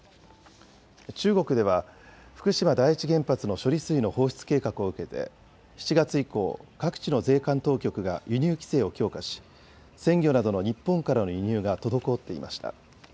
中国では福島第一原発の処理水の放出計画を受けて、７月以降、各地の税関当局が輸入規制を強化し、鮮魚などの日本からの輸入が滞っていました。